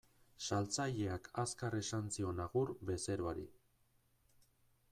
Saltzaileak azkar esan zion agur bezeroari.